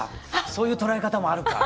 そういう捉え方もあるか。